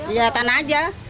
iya tanah aja